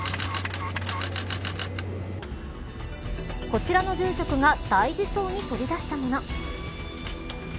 こちらの住職が大事そうに取り出したもの。